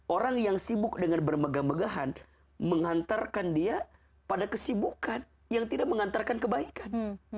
orang yang sibuk dengan bermegah megahan mengantarkan dia pada kesibukan yang tidak mengantarkan kebaikan